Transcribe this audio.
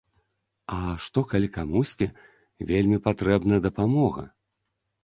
А што калі камусьці вельмі патрэбна дапамога?